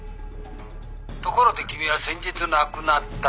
「ところで君は先日亡くなった仁